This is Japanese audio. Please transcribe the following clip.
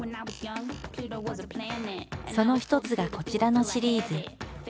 その一つがこちらのシリーズ。